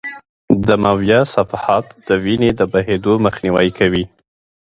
دمویه صفحات د وینې د بهېدو مخنیوی کوي.